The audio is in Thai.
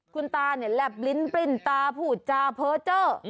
คุณตาเนี่ยแหลบลิ้นปริ้นตาพูดจาเพ้อเจอร์